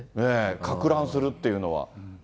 かく乱するっていうのは。